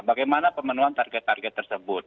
bagaimana pemenuhan target target tersebut